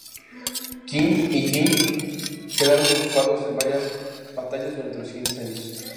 Qin y Jin quedaron ocupados en varias batallas durante los siguientes años.